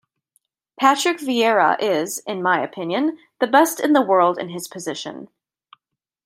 Patrick Vieira is, in my opinion, the best in the world in his position.